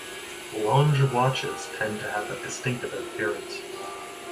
Lange watches tend to have a distinctive appearance.